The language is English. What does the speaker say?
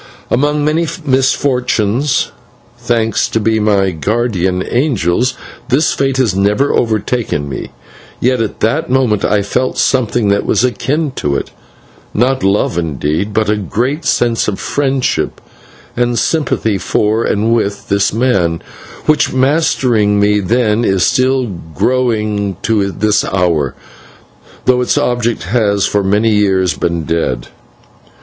Among many misfortunes, thanks be to my guardian angels, this fate has never overtaken me, yet at that moment I felt something that was akin to it not love, indeed, but a great sense of friendship and sympathy for and with this man, which, mastering me then, is still growing to this hour, though its object has for many years been dead.